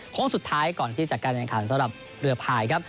โค้งสุดท้ายก่อนที่จัดการแข่งขันสำหรับเรือพายครับ